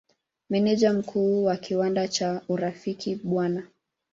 Meneja Mkuu wa kiwanda cha Urafiki Bw.